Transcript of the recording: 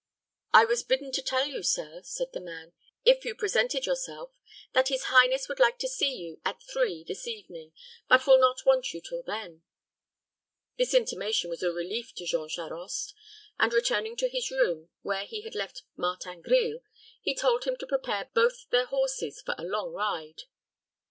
"I was bidden to tell you, sir," said the man, "if you presented yourself, that his highness would like to see you at three this evening, but will not want you till then." This intimation was a relief to Jean Charost; and, returning to his room, where he had left Martin Grille, he told him to prepare both their horses for along ride.